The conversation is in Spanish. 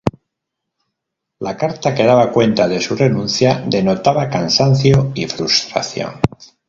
La carta que daba cuenta de su renuncia denotaba cansancio y frustración.